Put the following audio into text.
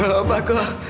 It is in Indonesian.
aduh gak apa kok